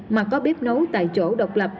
mà có bếp nấu tại chỗ độc lập